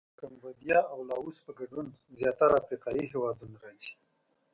د کمبودیا او لاووس په ګډون زیاتره افریقایي هېوادونه راځي.